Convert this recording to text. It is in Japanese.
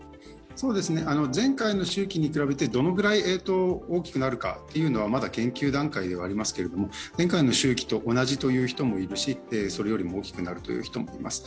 前回の周期に比べてどのぐらい大きくなるかというのはまだ研究段階ではありますけれども前回の周期と同じという言う人もいるしそれよりも大きくなると言う人もいます。